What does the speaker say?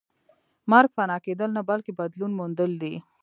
مرګ فنا کېدل نه بلکې بدلون موندل دي